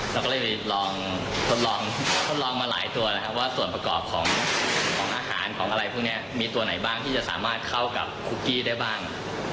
เราก็เลยลองทดลองทดลองมาหลายตัวนะครับว่าส่วนประกอบของอาหารของอะไรพวกนี้มีตัวไหนบ้างที่จะสามารถเข้ากับคุกกี้ได้บ้าง